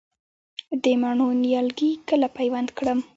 د مڼو نیالګي کله پیوند کړم؟